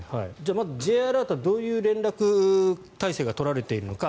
まず、Ｊアラートはどういう連絡体制が取られているのか。